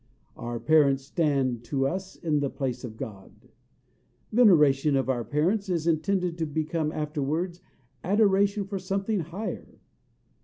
Our parents stand to us in the place of God. Veneration for our parents is intended to become afterwards adoration for something higher.